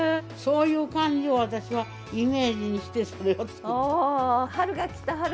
そういう感じを私はイメージにしてそれを作った。